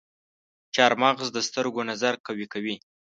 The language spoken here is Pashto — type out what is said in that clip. چارمغز د سترګو نظر قوي کوي.